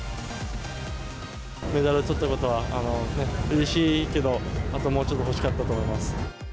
メダルをとったことは、うれしいけど、あともうちょっと欲しかったと思います。